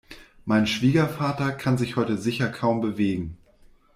Mein Schwiegervater kann sich heute sicher kaum bewegen.